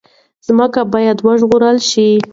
ځمکه باید وژغورل شي.